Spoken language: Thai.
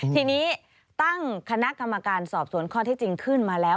ทีนี้ตั้งคณะกรรมการสอบสวนข้อที่จริงขึ้นมาแล้ว